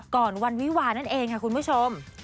ก่อนวันวิวานั่นเองค่ะคุณผู้ชม